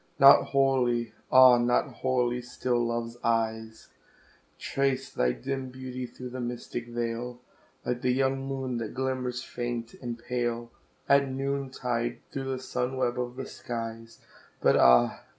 Not wholly ah! not wholly still Love's eyes Trace thy dim beauty through the mystic veil, Like the young moon that glimmers faint and pale, At noontide through the sun web of the skies; But ah!